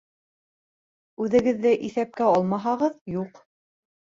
— Үҙегеҙҙе иҫәпкә алмаһағыҙ, юҡ.